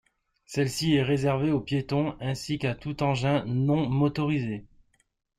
Celle-ci est réservée aux piétons ainsi qu'à tout engin non motorisé.